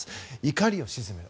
怒りを鎮める。